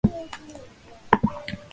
今日のご飯はカレーです。